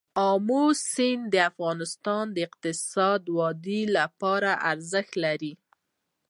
آمو سیند د افغانستان د اقتصادي ودې لپاره ارزښت لري.